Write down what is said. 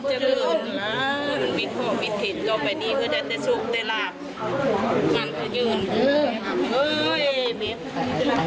ตอนนี้ก็ไม่มีเวลาให้กลับมาเที่ยวกับเวลา